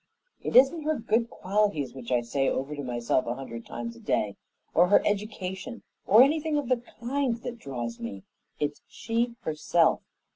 It isn't her good qualities which I say over to myself a hundred times a day, or her education, or anything of the kind, that draws me; it's she herself.